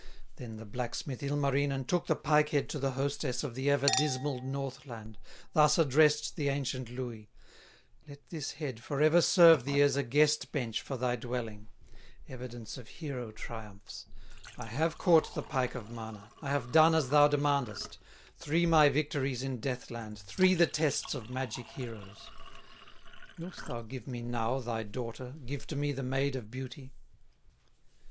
Then the blacksmith, Ilmarinen, Took the pike head to the hostess Of the ever dismal Northland, Thus addressed the ancient Louhi: "Let this head forever serve thee As a guest bench for thy dwelling, Evidence of hero triumphs; I have caught the pike of Mana, I have done as thou demandest, Three my victories in Death land, Three the tests of magic heroes; Wilt thou give me now thy daughter, Give to me the Maid of Beauty?"